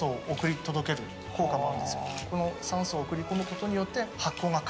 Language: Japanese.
この酸素を送り込むことによって。